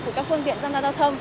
của các phương tiện giao thông